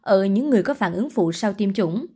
ở những người có phản ứng phụ sau tiêm chủng